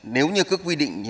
nếu như các quy định có năng lực